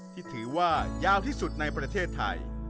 ที่ถือว่ายาวที่สุดในประเทศไทย